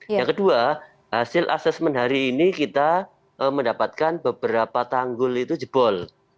yang kedua hasil asesmen hari ini kita mendapatkan beberapa tanggul itu jebol